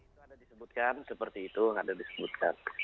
itu ada disebutkan seperti itu ada disebutkan